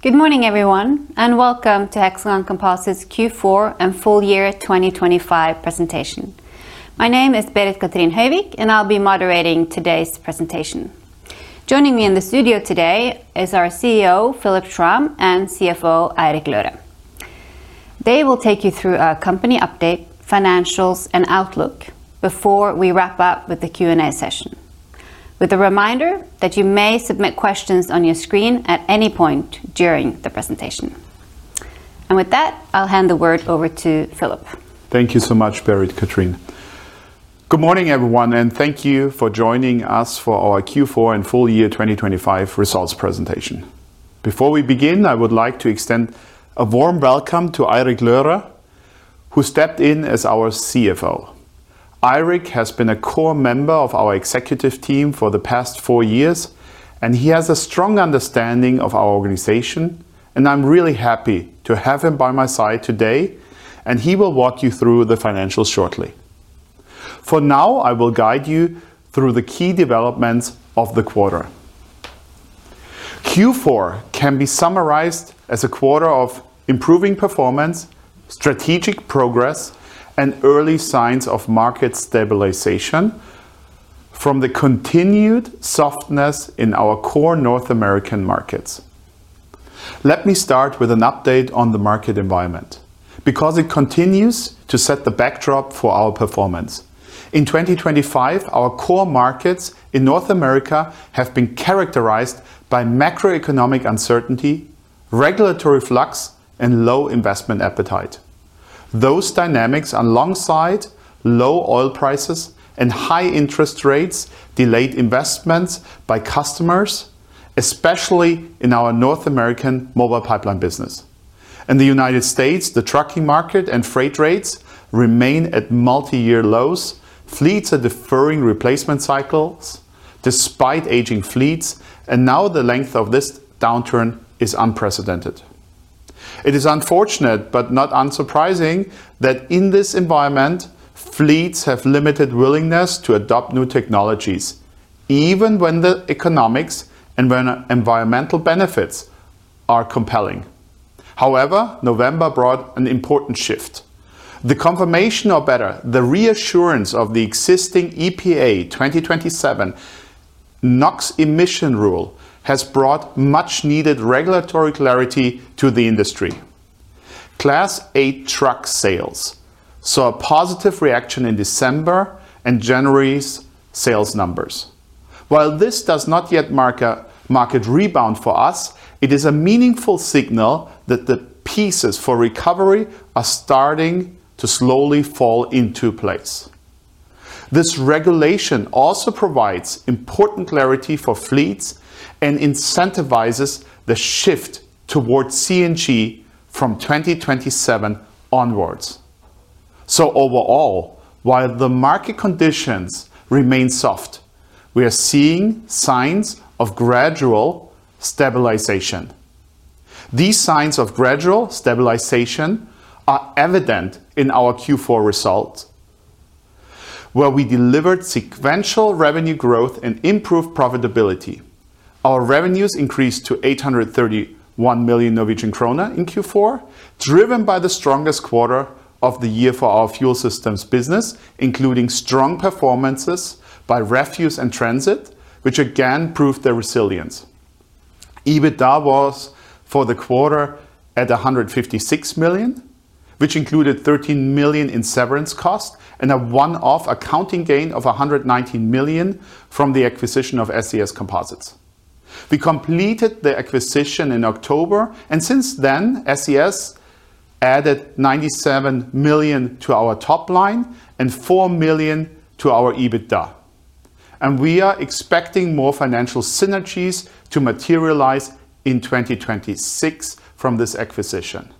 Good morning, everyone, and welcome to Hexagon Composites Q4 and full year 2025 presentation. My name is Berit-Cathrin Høyvik, and I'll be moderating today's presentation. Joining me in the studio today is our CEO, Philipp Schramm, and CFO, Eirik Løhre. They will take you through our company update, financials, and outlook before we wrap up with the Q&A session. With a reminder that you may submit questions on your screen at any point during the presentation. And with that, I'll hand the word over to Philipp. Thank you so much, Berit-Cathrin. Good morning, everyone, and thank you for joining us for our Q4 and full year 2025 results presentation. Before we begin, I would like to extend a warm welcome to Eirik Løhre, who stepped in as our CFO. Eirik has been a core member of our executive team for the past four years, and he has a strong understanding of our organization, and I'm really happy to have him by my side today, and he will walk you through the financials shortly. For now, I will guide you through the key developments of the quarter. Q4 can be summarized as a quarter of improving performance, strategic progress, and early signs of market stabilization from the continued softness in our core North American markets. Let me start with an update on the market environment, because it continues to set the backdrop for our performance. In 2025, our core markets in North America have been characterized by macroeconomic uncertainty, regulatory flux, and low investment appetite. Those dynamics, alongside low oil prices and high interest rates, delayed investments by customers, especially in our North American Mobile Pipeline business. In the United States, the trucking market and freight rates remain at multi-year lows. Fleets are deferring replacement cycles despite aging fleets, and now the length of this downturn is unprecedented. It is unfortunate, but not unsurprising, that in this environment, fleets have limited willingness to adopt new technologies, even when the economics and when environmental benefits are compelling. However, November brought an important shift. The confirmation, or better, the reassurance of the existing EPA 2027 NOx emission rule has brought much-needed regulatory clarity to the industry. Class 8 truck sales saw a positive reaction in December and January's sales numbers. While this does not yet mark a market rebound for us, it is a meaningful signal that the pieces for recovery are starting to slowly fall into place. This regulation also provides important clarity for fleets and incentivizes the shift towards CNG from 2027 onwards. So overall, while the market conditions remain soft, we are seeing signs of gradual stabilization. These signs of gradual stabilization are evident in our Q4 results, where we delivered sequential revenue growth and improved profitability. Our revenues increased to 831 million Norwegian krone in Q4, driven by the strongest quarter of the year for our Fuel Systems business, including strong performances by Refuse and Transit, which again proved their resilience. EBITDA was, for the quarter, at 156 million, which included 13 million in severance costs and a one-off accounting gain of 119 million from the acquisition of SES Composites. We completed the acquisition in October, and since then, SES added 97 million to our top line and 4 million to our EBITDA, and we are expecting more financial synergies to materialize in 2026 from this acquisition.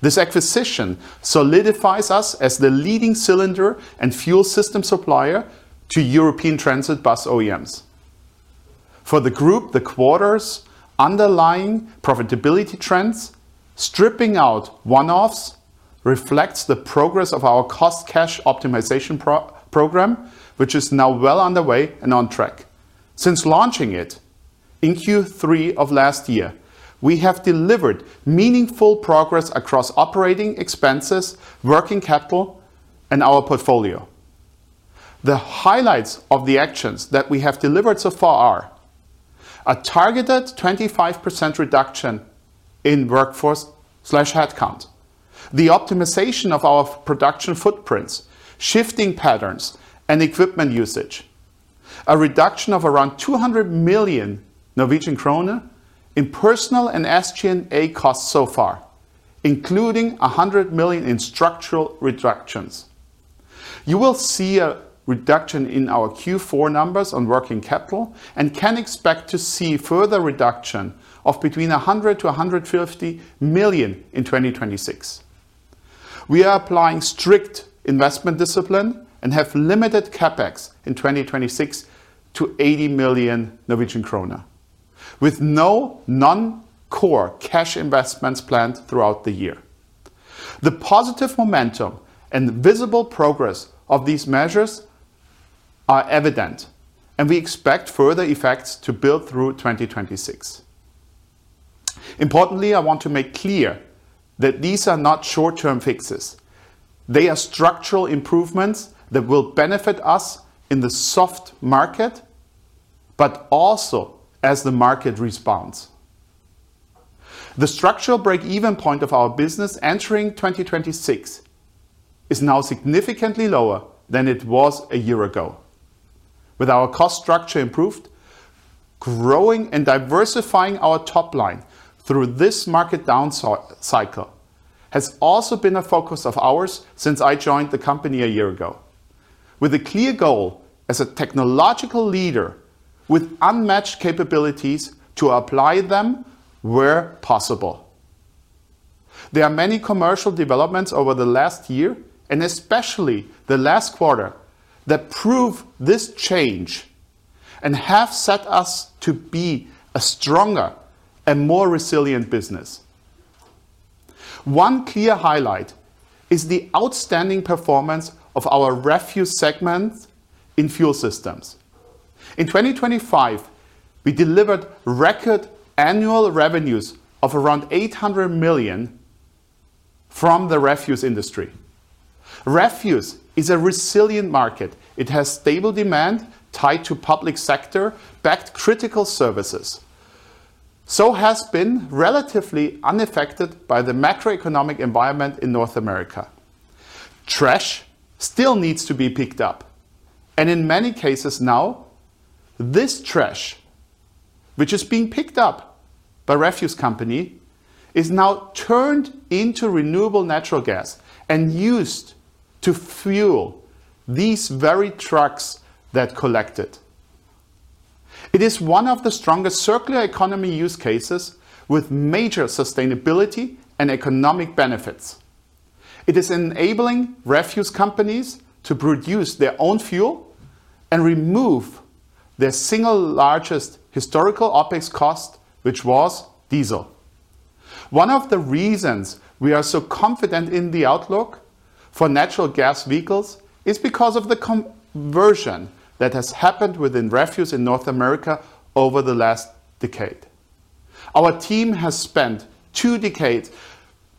This acquisition solidifies us as the leading cylinder and fuel system supplier to European transit bus OEMs. For the group, the quarter's underlying profitability trends, stripping out one-offs, reflects the progress of our cost cash optimization program, which is now well underway and on track. Since launching it in Q3 of last year, we have delivered meaningful progress across operating expenses, working capital, and our portfolio. The highlights of the actions that we have delivered so far are: a targeted 25% reduction in workforce slash headcount, the optimization of our production footprints, shifting patterns and equipment usage, a reduction of around 200 million Norwegian kroner in personnel and SG&A costs so far, including 100 million in structural reductions. You will see a reduction in our Q4 numbers on working capital and can expect to see further reduction of between 100 million-150 million in 2026. We are applying strict investment discipline and have limited CapEx in 2026 to 80 million Norwegian krone, with no non-core cash investments planned throughout the year. The positive momentum and visible progress of these measures are evident, and we expect further effects to build through 2026. Importantly, I want to make clear that these are not short-term fixes. They are structural improvements that will benefit us in the soft market, but also as the market responds. The structural break-even point of our business entering 2026 is now significantly lower than it was a year ago. With our cost structure improved, growing and diversifying our top line through this market downcycle has also been a focus of ours since I joined the company a year ago, with a clear goal as a technological leader with unmatched capabilities to apply them where possible. There are many commercial developments over the last year, and especially the last quarter, that prove this change and have set us to be a stronger and more resilient business. One clear highlight is the outstanding performance of our Refuse segment in fuel systems. In 2025, we delivered record annual revenues of around 800 million from the refuse industry. Refuse is a resilient market. It has stable demand tied to public sector-backed critical services, so has been relatively unaffected by the macroeconomic environment in North America. Trash still needs to be picked up, and in many cases now, this trash, which is being picked up by refuse company, is now turned into renewable natural gas and used to fuel these very trucks that collect it. It is one of the strongest circular economy use cases with major sustainability and economic benefits. It is enabling refuse companies to produce their own fuel and remove their single largest historical OpEx cost, which was diesel. One of the reasons we are so confident in the outlook for natural gas vehicles is because of the conversion that has happened within refuse in North America over the last decade. Our team has spent two decades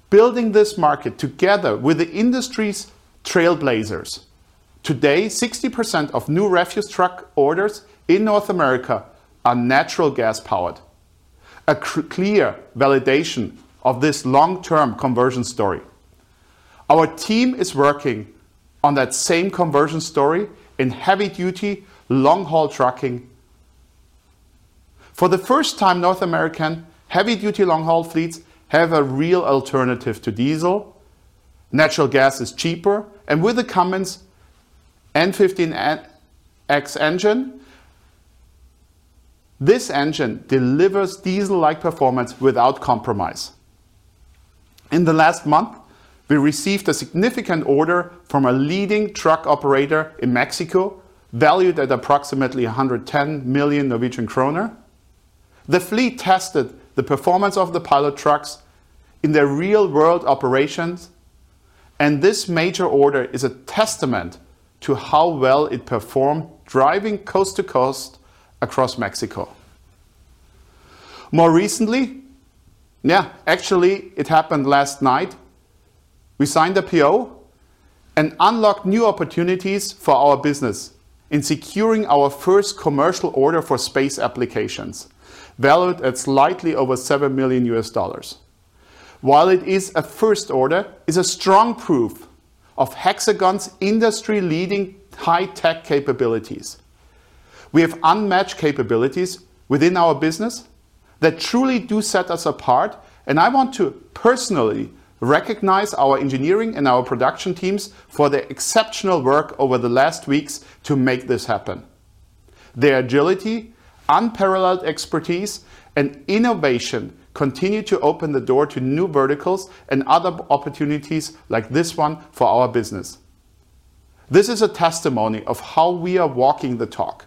building this market together with the industry's trailblazers. Today, 60% of new refuse truck orders in North America are natural gas-powered, a clear validation of this long-term conversion story. Our team is working on that same conversion story in heavy-duty, long-haul trucking. For the first time, North American heavy-duty, long-haul fleets have a real alternative to diesel. Natural gas is cheaper, and with the Cummins X15N engine, this engine delivers diesel-like performance without compromise. In the last month, we received a significant order from a leading truck operator in Mexico, valued at approximately 110 million Norwegian kroner. The fleet tested the performance of the pilot trucks in their real-world operations, and this major order is a testament to how well it performed, driving coast to coast across Mexico. More recently, yeah, actually, it happened last night, we signed a PO and unlocked new opportunities for our business in securing our first commercial order for space applications, valued at slightly over $7 million. While it is a first order, it's a strong proof of Hexagon's industry-leading high-tech capabilities. We have unmatched capabilities within our business that truly do set us apart, and I want to personally recognize our engineering and our production teams for their exceptional work over the last weeks to make this happen. Their agility, unparalleled expertise, and innovation continue to open the door to new verticals and other opportunities like this one for our business. This is a testimony of how we are walking the talk.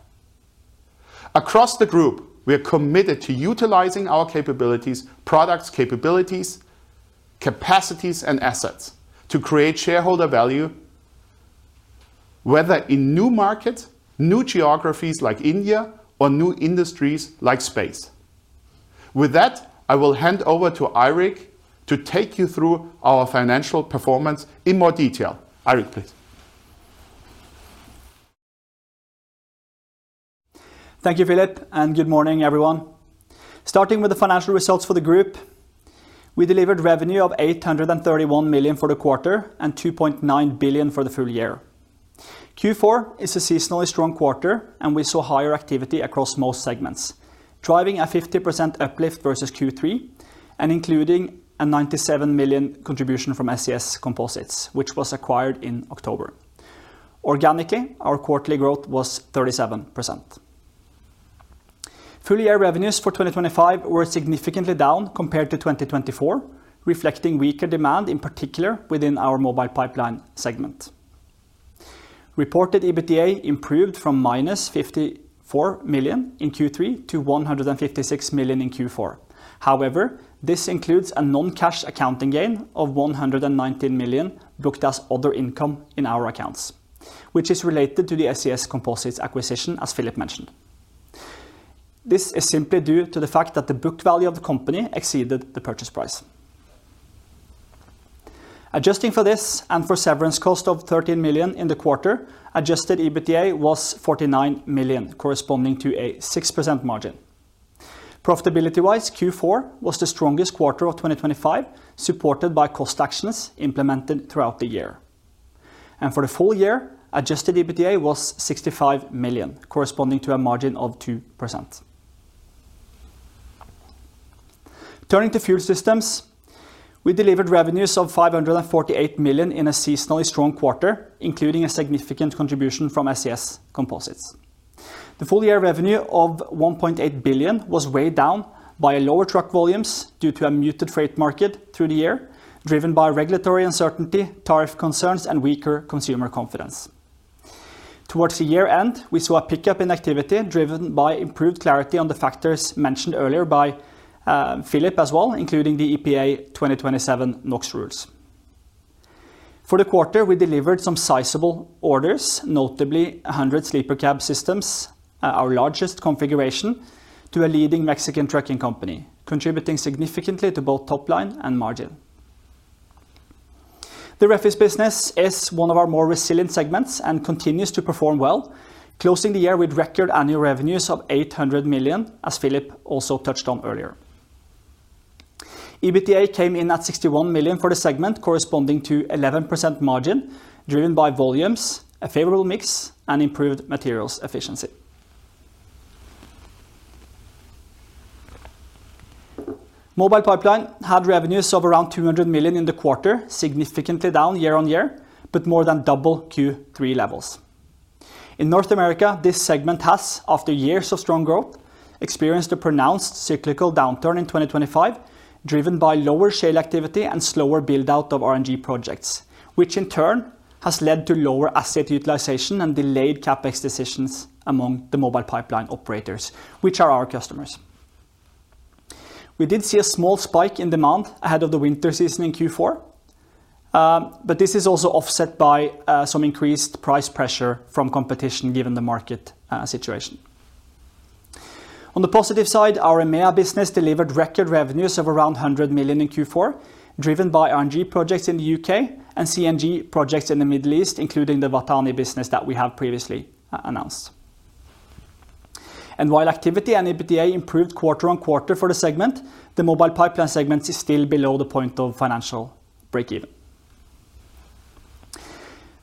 Across the group, we are committed to utilizing our capabilities, products, capabilities, capacities, and assets to create shareholder value, whether in new markets, new geographies like India, or new industries like space. With that, I will hand over to Eirik to take you through our financial performance in more detail. Eirik, please. Thank you, Philipp, and good morning, everyone. Starting with the financial results for the group, we delivered revenue of 831 million for the quarter and 2.9 billion for the full year. Q4 is a seasonally strong quarter, and we saw higher activity across most segments, driving a 50% uplift versus Q3 and including a 97 million contribution from SES Composites, which was acquired in October. Organically, our quarterly growth was 37%. Full-year revenues for 2025 were significantly down compared to 2024, reflecting weaker demand, in particular, within our Mobile Pipeline segment. Reported EBITDA improved from -54 million in Q3 to 156 million in Q4. However, this includes a non-cash accounting gain of 119 million booked as other income in our accounts, which is related to the SES Composites acquisition, as Philipp mentioned. This is simply due to the fact that the booked value of the company exceeded the purchase price. Adjusting for this and for severance cost of 13 million in the quarter, adjusted EBITDA was 49 million, corresponding to a 6% margin. Profitability-wise, Q4 was the strongest quarter of 2025, supported by cost actions implemented throughout the year. For the full year, adjusted EBITDA was 65 million, corresponding to a margin of 2%. Turning to Fuel Systems, we delivered revenues of 548 million in a seasonally strong quarter, including a significant contribution from SES Composites. The full year revenue of 1.8 billion was weighed down by lower truck volumes due to a muted freight market through the year, driven by regulatory uncertainty, tariff concerns, and weaker consumer confidence. Towards the year-end, we saw a pickup in activity, driven by improved clarity on the factors mentioned earlier by, Philipp as well, including the EPA 2027 NOx rules. For the quarter, we delivered some sizable orders, notably 100 sleeper cab systems, our largest configuration, to a leading Mexican trucking company, contributing significantly to both top line and margin. The Refuse business is one of our more resilient segments and continues to perform well, closing the year with record annual revenues of 800 million, as Philipp also touched on earlier. EBITDA came in at 61 million for the segment, corresponding to 11% margin, driven by volumes, a favorable mix, and improved materials efficiency. Mobile Pipeline had revenues of around 200 million in the quarter, significantly down year-on-year, but more than double Q3 levels. In North America, this segment has, after years of strong growth, experienced a pronounced cyclical downturn in 2025, driven by lower shale activity and slower build-out of RNG projects, which in turn has led to lower asset utilization and delayed CapEx decisions among the Mobile Pipeline operators, which are our customers. We did see a small spike in demand ahead of the winter season in Q4, but this is also offset by, some increased price pressure from competition, given the market, situation. On the positive side, our EMEA business delivered record revenues of around 100 million in Q4, driven by RNG projects in the U.K. and CNG projects in the Middle East, including the Watani business that we have previously announced. While activity and EBITDA improved quarter-on-quarter for the segment, the Mobile Pipeline segment is still below the point of financial break-even.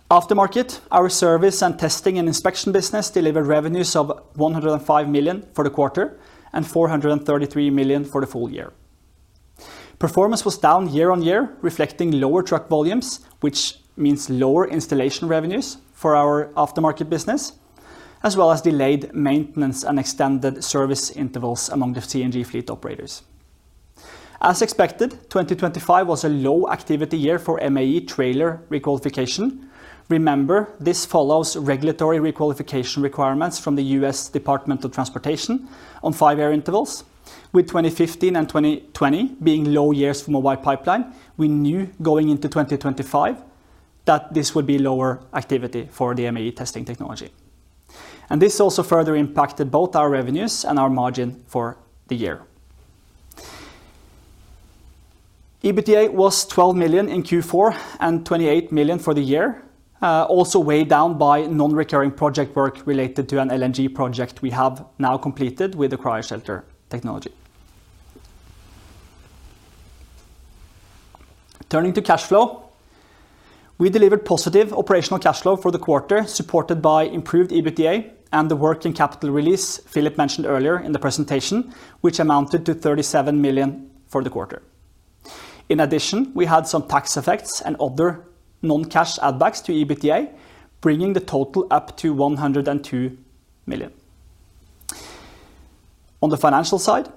Aftermarket, our service and testing and inspection business delivered revenues of 105 million for the quarter and 433 million for the full year. Performance was down year-on-year, reflecting lower truck volumes, which means lower installation revenues for our aftermarket business, as well as delayed maintenance and extended service intervals among the CNG fleet operators. As expected, 2025 was a low activity year for MAE trailer requalification. Remember, this follows regulatory requalification requirements from the U.S. Department of Transportation on five-year intervals, with 2015 and 2020 being low years for Mobile Pipeline. We knew going into 2025 that this would be lower activity for the MAE testing technology, and this also further impacted both our revenues and our margin for the year. EBITDA was 12 million in Q4 and 28 million for the year, also weighed down by non-recurring project work related to an LNG project we have now completed with the Cryoshelter technology. Turning to cash flow, we delivered positive operational cash flow for the quarter, supported by improved EBITDA and the working capital release Philipp mentioned earlier in the presentation, which amounted to 37 million for the quarter. In addition, we had some tax effects and other non-cash add backs to EBITDA, bringing the total up to 102 million. On the financial side,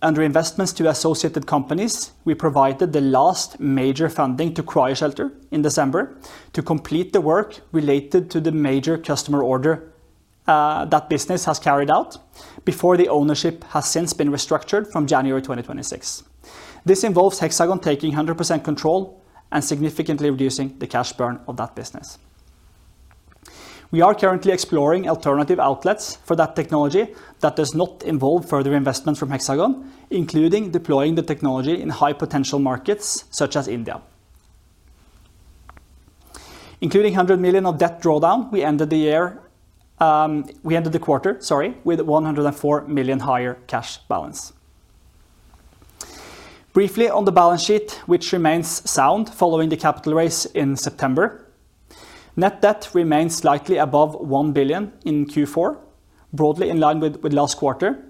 under investments to associated companies, we provided the last major funding to Cryoshelter in December to complete the work related to the major customer order, that business has carried out before the ownership has since been restructured from January 2026. This involves Hexagon taking 100% control and significantly reducing the cash burn of that business. We are currently exploring alternative outlets for that technology that does not involve further investment from Hexagon, including deploying the technology in high potential markets such as India. Including 100 million of debt drawdown, we ended the year, we ended the quarter, sorry, with 104 million higher cash balance. Briefly on the balance sheet, which remains sound following the capital raise in September, net debt remains slightly above 1 billion in Q4, broadly in line with last quarter,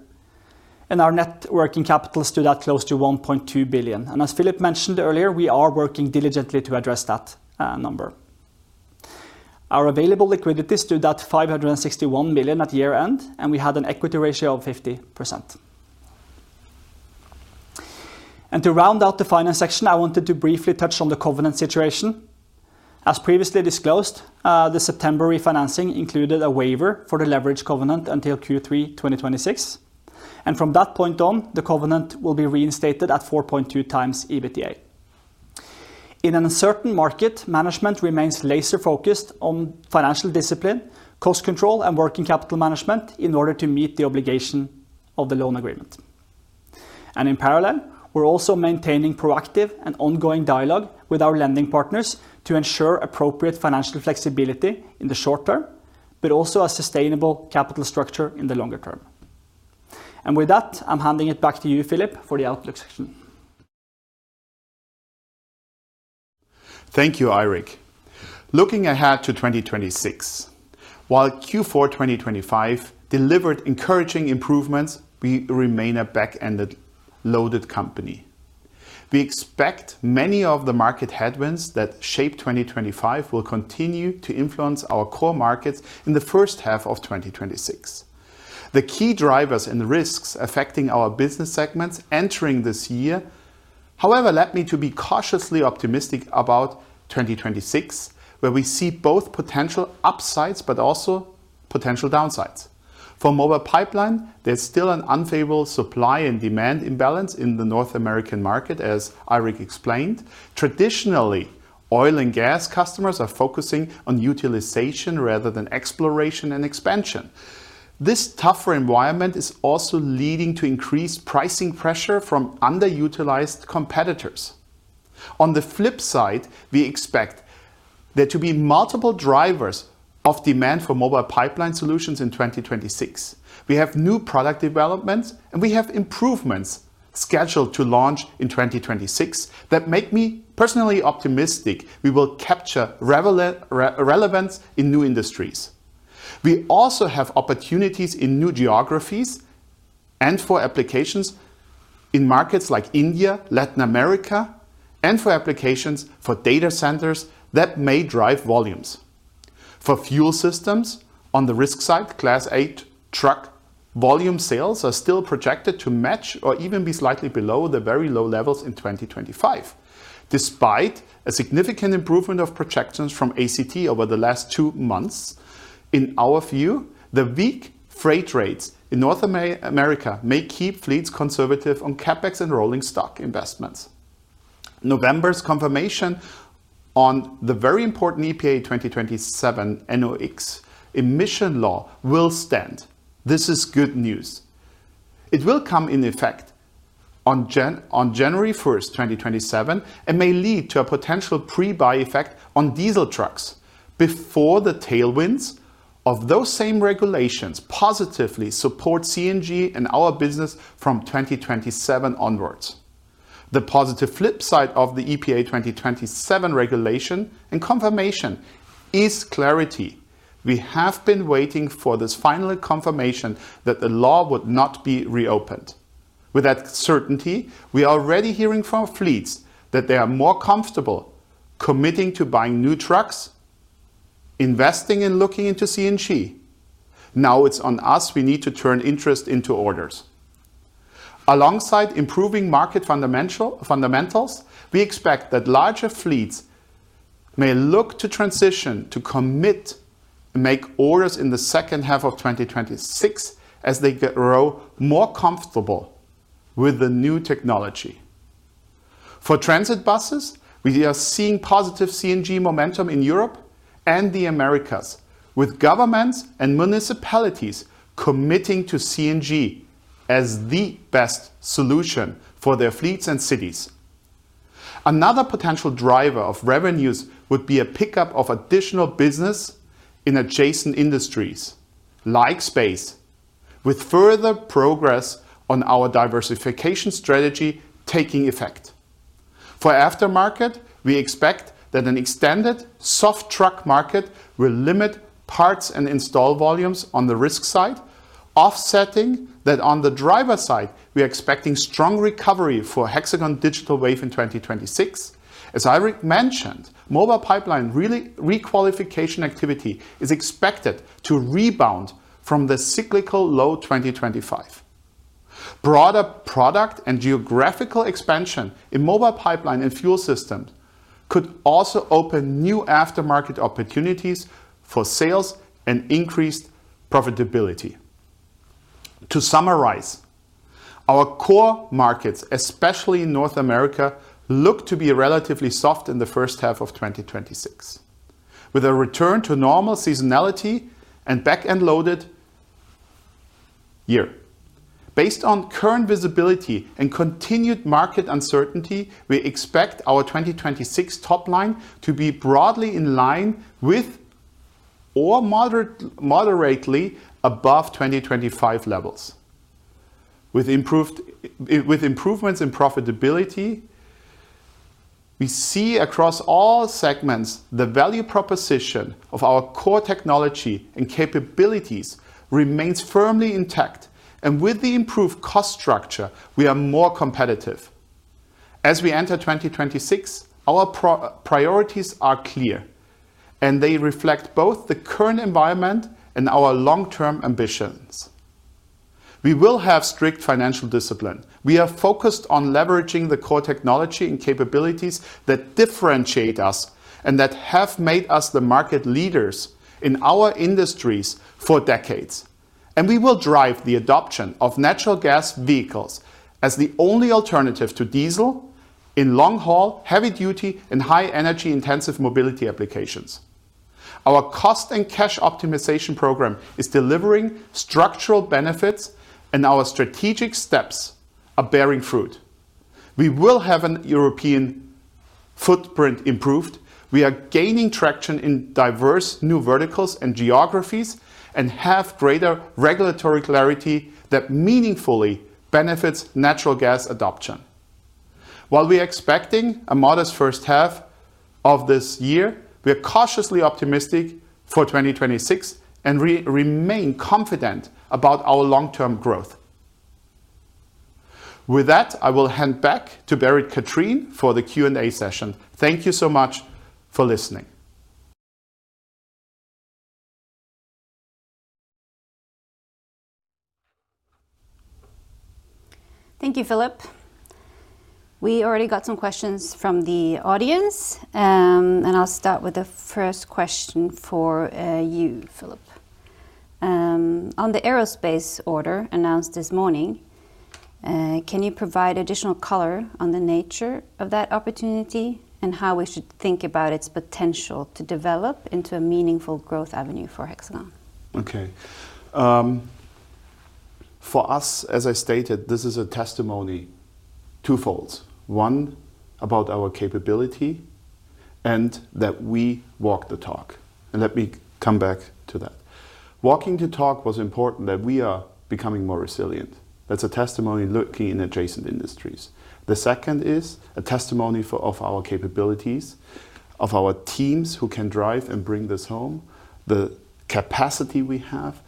and our net working capital stood at close to 1.2 billion. As Philipp mentioned earlier, we are working diligently to address that number. Our available liquidity stood at 561 million at year-end, and we had an equity ratio of 50%. To round out the finance section, I wanted to briefly touch on the covenant situation. As previously disclosed, the September refinancing included a waiver for the leverage covenant until Q3 2026, and from that point on, the covenant will be reinstated at 4.2x EBITDA. In an uncertain market, management remains laser-focused on financial discipline, cost control, and working capital management in order to meet the obligation of the loan agreement. In parallel, we're also maintaining proactive and ongoing dialogue with our lending partners to ensure appropriate financial flexibility in the short term, but also a sustainable capital structure in the longer term. With that, I'm handing it back to you, Philipp, for the outlook section. Thank you, Eirik. Looking ahead to 2026, while Q4 2025 delivered encouraging improvements, we remain a back-ended loaded company. We expect many of the market headwinds that shaped 2025 will continue to influence our core markets in the first half of 2026. The key drivers and risks affecting our business segments entering this year, however, led me to be cautiously optimistic about 2026, where we see both potential upsides but also potential downsides. For Mobile Pipeline, there's still an unfavorable supply and demand imbalance in the North American market, as Eirik explained. Traditionally, oil and gas customers are focusing on utilization rather than exploration and expansion. This tougher environment is also leading to increased pricing pressure from underutilized competitors. On the flip side, we expect there to be multiple drivers of demand for Mobile Pipeline solutions in 2026. We have new product developments, and we have improvements scheduled to launch in 2026 that make me personally optimistic we will capture relevance in new industries. We also have opportunities in new geographies and for applications in markets like India, Latin America, and for applications for data centers that may drive volumes. For Fuel Systems, on the risk side, Class 8 truck volume sales are still projected to match or even be slightly below the very low levels in 2025. Despite a significant improvement of projections from ACT over the last two months, in our view, the weak freight rates in North America may keep fleets conservative on CapEx and rolling stock investments. November's confirmation on the very important EPA 2027 NOx emission law will stand. This is good news. It will come in effect on January 1st, 2027, and may lead to a potential pre-buy effect on diesel trucks before the tailwinds of those same regulations positively support CNG and our business from 2027 onwards. The positive flip side of the EPA 2027 regulation and confirmation is clarity. We have been waiting for this final confirmation that the law would not be reopened. With that certainty, we are already hearing from fleets that they are more comfortable committing to buying new trucks, investing, and looking into CNG. Now it's on us. We need to turn interest into orders. Alongside improving market fundamentals, we expect that larger fleets may look to transition to commit and make orders in the second half of 2026 as they grow more comfortable with the new technology. For transit buses, we are seeing positive CNG momentum in Europe and the Americas, with governments and municipalities committing to CNG as the best solution for their fleets and cities. Another potential driver of revenues would be a pickup of additional business in adjacent industries, like space, with further progress on our diversification strategy taking effect. For aftermarket, we expect that an extended soft truck market will limit parts and install volumes on the risk side, offsetting that on the driver side, we are expecting strong recovery for Hexagon Digital Wave in 2026. As Eirik mentioned, Mobile Pipeline requalification activity is expected to rebound from the cyclical low 2025. Broader product and geographical expansion in Mobile Pipeline and Fuel Systems could also open new aftermarket opportunities for sales and increased profitability. To summarize, our core markets, especially in North America, look to be relatively soft in the first half of 2026, with a return to normal seasonality and back-end loaded year. Based on current visibility and continued market uncertainty, we expect our 2026 top line to be broadly in line with or moderately above 2025 levels. With improvements in profitability we see across all segments, the value proposition of our core technology and capabilities remains firmly intact, and with the improved cost structure, we are more competitive. As we enter 2026, our priorities are clear: and they reflect both the current environment and our long-term ambitions. We will have strict financial discipline. We are focused on leveraging the core technology and capabilities that differentiate us and that have made us the market leaders in our industries for decades. And we will drive the adoption of natural gas vehicles as the only alternative to diesel in long-haul, heavy-duty, and high-energy intensive mobility applications. Our cost and cash optimization program is delivering structural benefits, and our strategic steps are bearing fruit. We will have an European footprint improved. We are gaining traction in diverse new verticals and geographies, and have greater regulatory clarity that meaningfully benefits natural gas adoption. While we are expecting a modest first half of this year, we are cautiously optimistic for 2026, and remain confident about our long-term growth. With that, I will hand back to Berit-Cathrin for the Q&A session. Thank you so much for listening. Thank you, Philipp. We already got some questions from the audience. I'll start with the first question for you, Philipp. On the aerospace order announced this morning, can you provide additional color on the nature of that opportunity, and how we should think about its potential to develop into a meaningful growth avenue for Hexagon? Okay. For us, as I stated, this is a testimony twofolds: one, about our capability, and that we walk the talk, and let me come back to that. Walking the talk was important, that we are becoming more resilient. That's a testimony looking in adjacent industries. The second is a testimony of our capabilities, of our teams who can drive and bring this home, the capacity we have,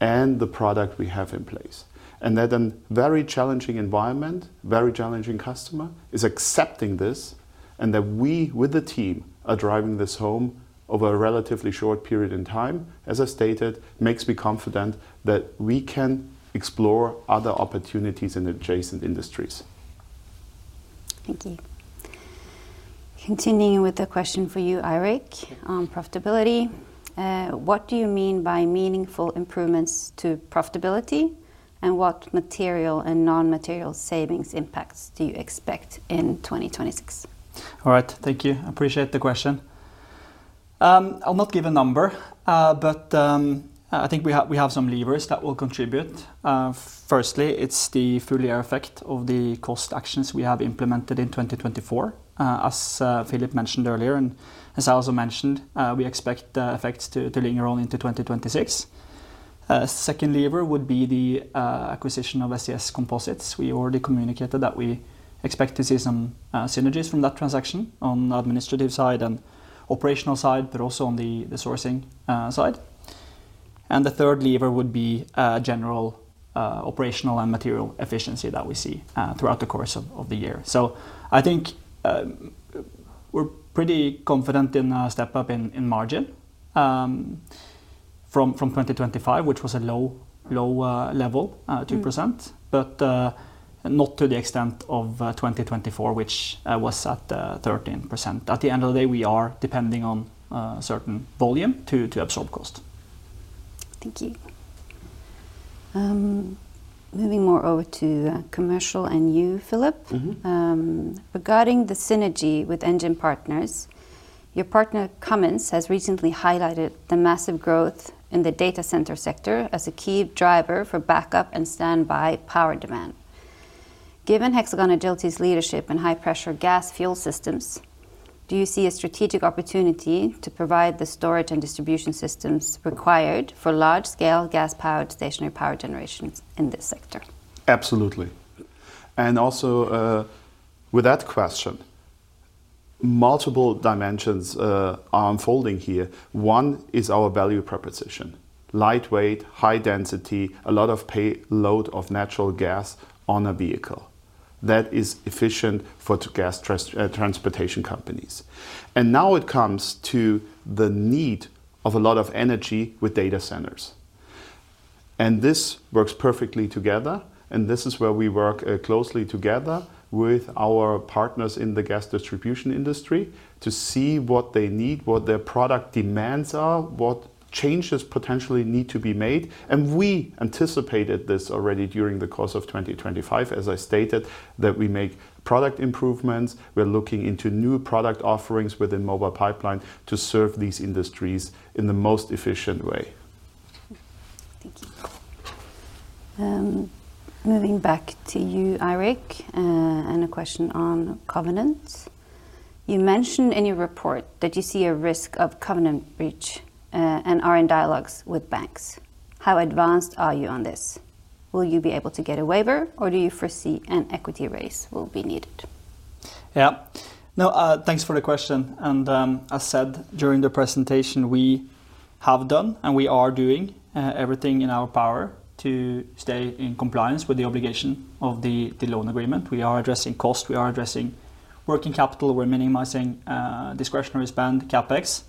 and the product we have in place. And that a very challenging environment, very challenging customer, is accepting this, and that we, with the team, are driving this home over a relatively short period in time, as I stated, makes me confident that we can explore other opportunities in adjacent industries. Thank you. Continuing with the question for you, Eirik, on profitability, what do you mean by meaningful improvements to profitability, and what material and non-material savings impacts do you expect in 2026? All right, thank you. I appreciate the question. I'll not give a number, but I think we have some levers that will contribute. Firstly, it's the full year effect of the cost actions we have implemented in 2024, as Philipp mentioned earlier, and as I also mentioned, we expect the effects to linger on into 2026. Second lever would be the acquisition of SES Composites. We already communicated that we expect to see some synergies from that transaction on the administrative side and operational side, but also on the sourcing side. And the third lever would be general operational and material efficiency that we see throughout the course of the year. So I think we're pretty confident in a step up in margin from 2025, which was a low level, 2%. But not to the extent of 2024, which was at 13%. At the end of the day, we are depending on certain volume to absorb cost. Thank you. Moving more over to commercial, and you, Philipp. Mm-hmm. Regarding the synergy with engine partners, your partner, Cummins, has recently highlighted the massive growth in the data center sector as a key driver for backup and standby power demand. Given Hexagon Agility's leadership in high-pressure gas fuel systems, do you see a strategic opportunity to provide the storage and distribution systems required for large-scale gas-powered stationary power generations in this sector? Absolutely. And also, with that question, multiple dimensions are unfolding here. One is our value proposition: lightweight, high density, a lot of payload of natural gas on a vehicle. That is efficient for the gas transportation companies. And now it comes to the need of a lot of energy with data centers, and this works perfectly together, and this is where we work closely together with our partners in the gas distribution industry to see what they need, what their product demands are, what changes potentially need to be made. And we anticipated this already during the course of 2025, as I stated, that we make product improvements. We're looking into new product offerings within Mobile Pipeline to serve these industries in the most efficient way. Thank you. Moving back to you, Eirik, and a question on covenant. You mentioned in your report that you see a risk of covenant breach, and are in dialogues with banks. How advanced are you on this? Will you be able to get a waiver, or do you foresee an equity raise will be needed? Yeah. No, thanks for the question, and, as said, during the presentation, we have done, and we are doing, everything in our power to stay in compliance with the obligation of the, the loan agreement. We are addressing cost, we are addressing working capital, we're minimizing, discretionary spend, CapEx.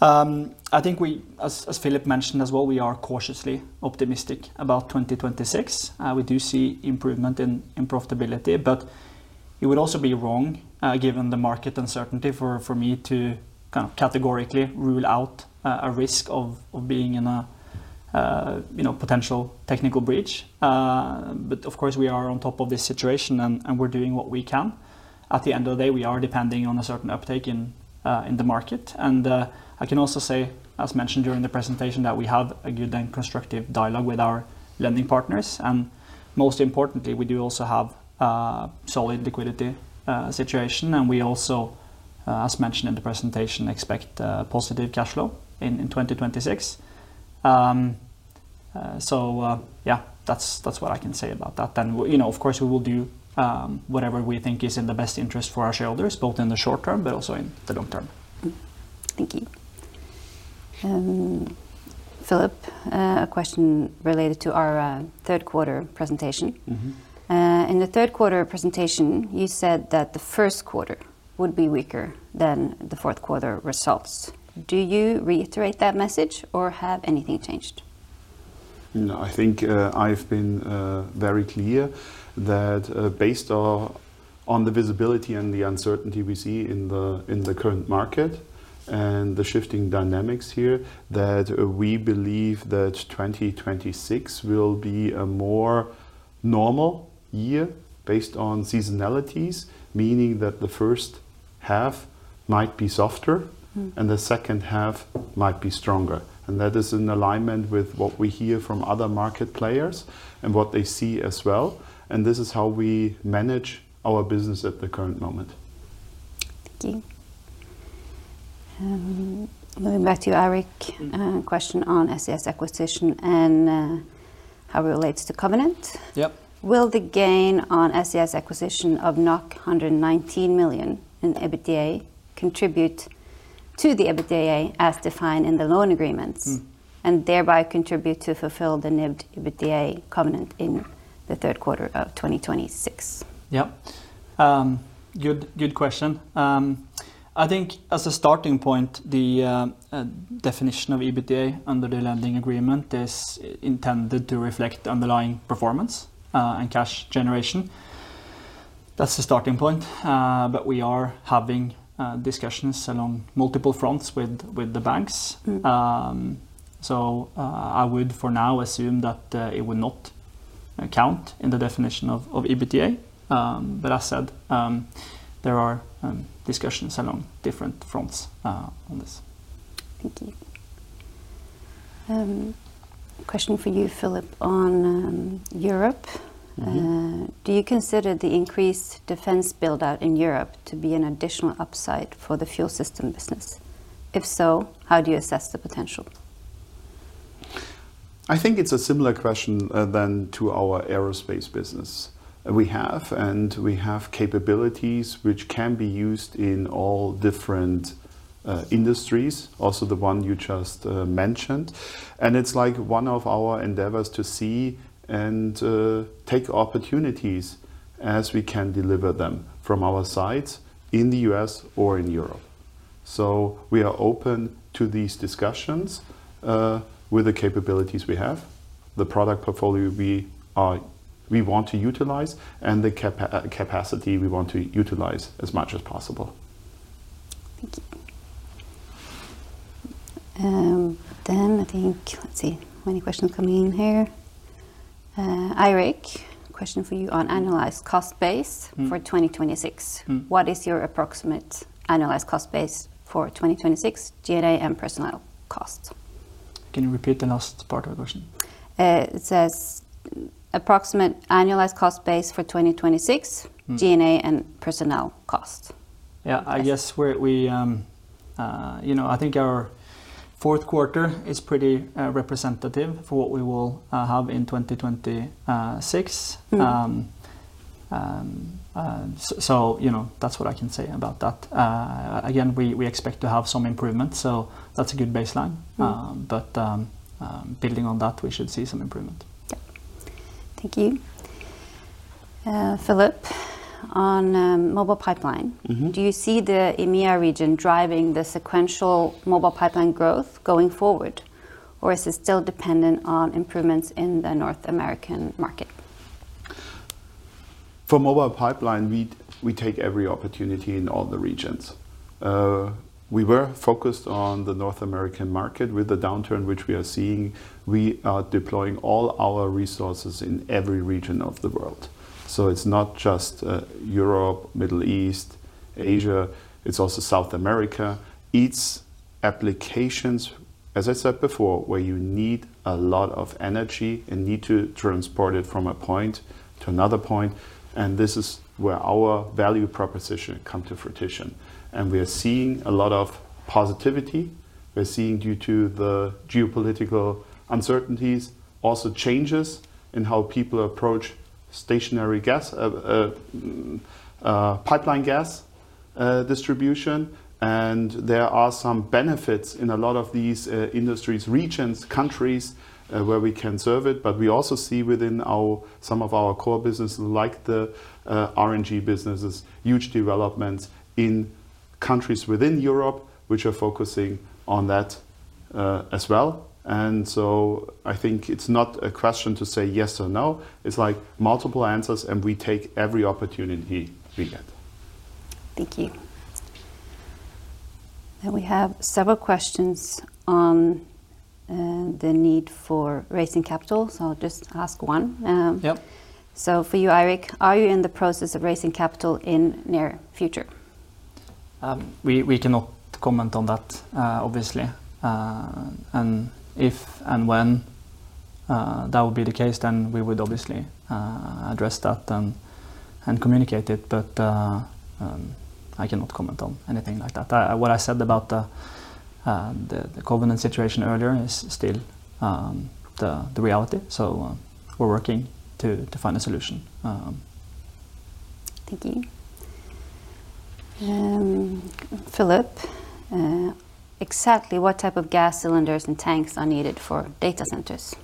I think we, as, as Philipp mentioned as well, we are cautiously optimistic about 2026. We do see improvement in, in profitability, but it would also be wrong, given the market uncertainty, for, for me to kind of categorically rule out, a risk of, of being in a, a, you know, potential technical breach. But of course, we are on top of this situation and, and we're doing what we can. At the end of the day, we are depending on a certain uptake in, in the market. I can also say, as mentioned during the presentation, that we have a good and constructive dialogue with our lending partners. Most importantly, we do also have solid liquidity situation. We also, as mentioned in the presentation, expect positive cash flow in 2026. So, yeah, that's what I can say about that. You know, of course, we will do whatever we think is in the best interest for our shareholders, both in the short term but also in the long term. Thank you. Philipp, a question related to our third quarter presentation. Mm-hmm. In the third quarter presentation, you said that the first quarter would be weaker than the fourth quarter results. Do you reiterate that message, or have anything changed? No, I think I've been very clear that, based on the visibility and the uncertainty we see in the current market and the shifting dynamics here, that we believe that 2026 will be a more normal year based on seasonalities. Meaning that the first half might be softer- Mm. And the second half might be stronger. And that is in alignment with what we hear from other market players and what they see as well, and this is how we manage our business at the current moment. Thank you. Going back to you, Eirik, question on SES acquisition and how it relates to covenant. Yep. Will the gain on SES acquisition of 119 million in EBITDA contribute to the EBITDA as defined in the loan agreements? Mm. and thereby contribute to fulfill the NIBD, EBITDA covenant in the third quarter of 2026? Yep. Good, good question. I think as a starting point, the definition of EBITDA under the lending agreement is intended to reflect underlying performance, and cash generation. That's the starting point, but we are having discussions along multiple fronts with the banks. Mm. So, I would, for now, assume that it would not count in the definition of of EBITDA. But I said, there are discussions along different fronts, on this. Thank you. Question for you, Philipp, on Europe? Mm-hmm. Do you consider the increased defense build-out in Europe to be an additional upside for the Fuel Systems business? If so, how do you assess the potential? I think it's a similar question than to our aerospace business. We have, and we have capabilities which can be used in all different industries, also the one you just mentioned, and it's, like, one of our endeavors to see and take opportunities as we can deliver them from our sides in the U.S. or in Europe. So we are open to these discussions with the capabilities we have, the product portfolio we want to utilize, and the capacity we want to utilize as much as possible. Thank you. Then I think, let's see, any questions coming in here? Eirik, question for you on annualized cost base- Mm. for 2026. Mm. What is your approximate annualized cost base for 2026, G&A and personnel costs? Can you repeat the last part of the question? It says, approximate annualized cost base for 2026- Mm... G&A and personnel costs. Yeah, I guess, you know, I think our fourth quarter is pretty representative for what we will have in 2026. Mm. So, you know, that's what I can say about that. Again, we expect to have some improvement, so that's a good baseline. Mm. But building on that, we should see some improvement. Yep. Thank you. Philipp, on Mobile Pipeline- Mm-hmm... do you see the EMEA region driving the sequential Mobile Pipeline growth going forward, or is it still dependent on improvements in the North American market? For Mobile Pipeline, we take every opportunity in all the regions. We were focused on the North American market. With the downturn which we are seeing, we are deploying all our resources in every region of the world. So it's not just Europe, Middle East, Asia, it's also South America. It's applications, as I said before, where you need a lot of energy and need to transport it from a point to another point, and this is where our value proposition come to fruition, and we are seeing a lot of positivity. We're seeing, due to the geopolitical uncertainties, also changes in how people approach stationary gas pipeline gas distribution, and there are some benefits in a lot of these industries, regions, countries where we can serve it. But we also see within our, some of our core business, like the RNG businesses, huge developments in countries within Europe, which are focusing on that, as well. And so I think it's not a question to say yes or no. It's, like, multiple answers, and we take every opportunity we get. Thank you. Then we have several questions on the need for raising capital, so I'll just ask one. Yep. For you, Eirik, are you in the process of raising capital in near future? We cannot comment on that, obviously. And if and when that would be the case, then we would obviously address that and communicate it. But I cannot comment on anything like that. What I said about the covenant situation earlier is still the reality, so we're working to find a solution. Thank you. Philipp, exactly what type of gas cylinders and tanks are needed for data centers?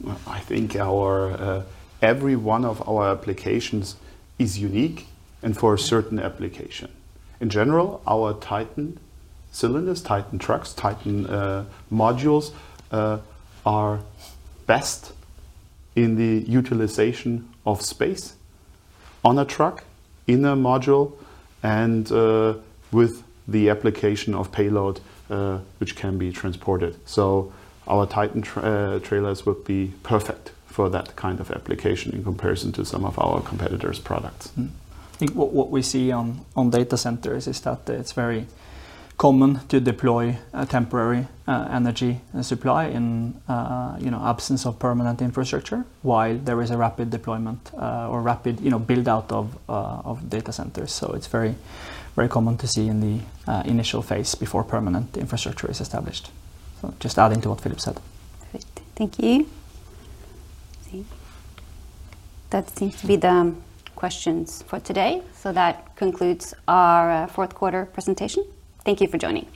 Well, I think our every one of our applications is unique and for a certain application. In general, our TITAN cylinders, TITAN trucks, TITAN modules, are best in the utilization of space on a truck, in a module, and with the application of payload, which can be transported. So our TITAN trailers would be perfect for that kind of application in comparison to some of our competitors' products. Mm-hmm. I think what we see on data centers is that it's very common to deploy a temporary, you know, energy supply in a absence of permanent infrastructure, while there is a rapid deployment, or rapid, you know, build-out of data centers. So it's very, very common to see in the initial phase before permanent infrastructure is established. So just adding to what Philipp said. Great. Thank you. Let's see. That seems to be the questions for today. So that concludes our fourth quarter presentation. Thank you for joining.